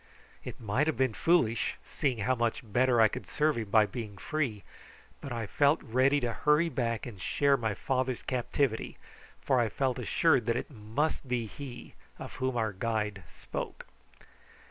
It might have been foolish, seeing how much better I could serve him by being free, but I felt ready to hurry back and share my father's captivity, for I felt assured that it must be he of whom our guide spoke.